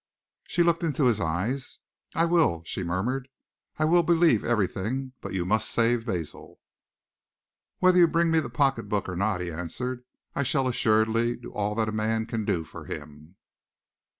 She looked into his eyes. "I will," she murmured. "I will believe everything, but you must save Basil." "Whether you bring me the pocket book or not," he answered, "I shall assuredly do all that a man can do for him."